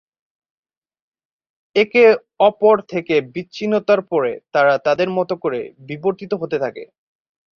একে অপর থেকে বিচ্ছিন্নতার পরে, তারা তাদের মত করে বিবর্তিত হতে থাকে।